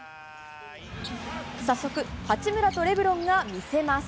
早速、八村とレブロンが見せます。